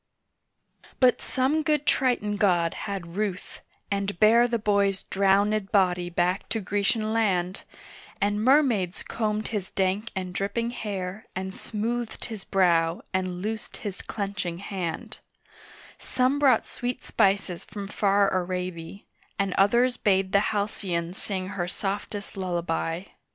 BUT some good Triton god had ruth, and bare The boy's drowned body back to Grecian land, And mermaids combed his dank and dripping hair And smoothed his brow, and loosed his clenching hand; Some brought sweet spices from far Araby, And others bade the halcyon sing her softest lullaby.